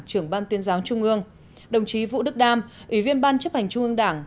trưởng ban tuyên giáo trung ương đồng chí vũ đức đam ủy viên ban chấp hành trung ương đảng